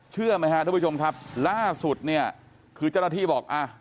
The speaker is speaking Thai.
เชื่อไหมฮะทุกผู้ชมครับล่าสุดเนี่ยคือเจ้าหน้าที่บอกอ่ะ